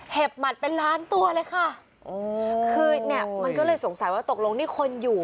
เห็บหมัดเป็นล้านตัวเลยค่ะมันก็เลยสงสัยว่าตกลงนี่คนอยู่